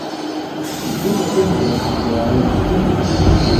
Sikunde kumanya andu waenda.